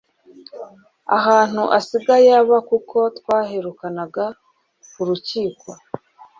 ahantu asigaye aba kuko twaherukanaga kurukiko